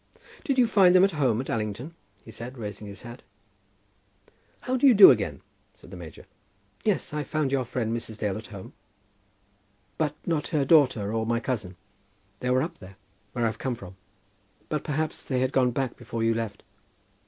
"Did you find them at home at Allington?" he said, raising his hat. "How do you do again?" said the major. "Yes, I found your friend Mrs. Dale at home." "But not her daughter, or my cousin? They were up there; where I've come from. But, perhaps, they had got back before you left."